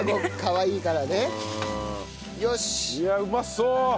いやうまそう！